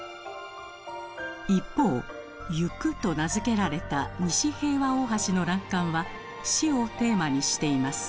一方「ゆく」と名付けられた西平和大橋の欄干は「死」をテーマにしています。